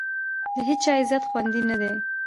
د هېچا عزت خوندي نه دی.